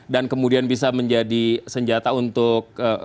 dan kemudian bisa menjadi senjata untuk